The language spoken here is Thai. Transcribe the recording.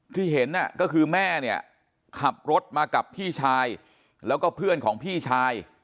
ที่เห็นก็คือแม่เนี่ยขับรถมากับพี่ชายแล้วก็เพื่อนของพี่ชาย